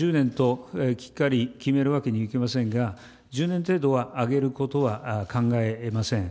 １０年ときっかり決めるわけにいきませんが、１０年程度は上げることは考えません。